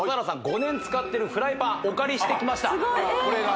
５年使ってるフライパンお借りしてきましたこれが？